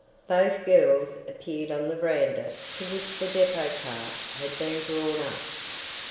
Both girls appeared on the veranda to which the depot cart had been drawn up.